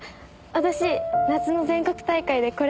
私夏の全国大会でこれ履きます。